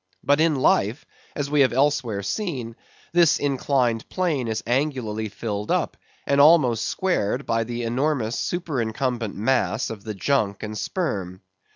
But in life—as we have elsewhere seen—this inclined plane is angularly filled up, and almost squared by the enormous superincumbent mass of the junk and sperm.